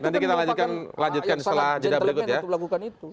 nanti kita lanjutkan setelah jeda berikut ya